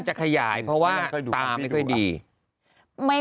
จะขยายเพราะว่าตาไม่ค่อยดี